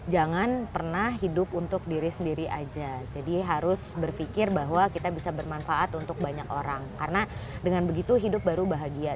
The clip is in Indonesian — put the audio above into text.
jangan pernah hidup untuk diri sendiri aja jadi harus berpikir bahwa kita bisa bermanfaat untuk banyak orang karena dengan begitu hidup baru bahagia